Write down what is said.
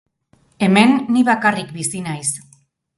Hemen ni bakarrik bizi naiz.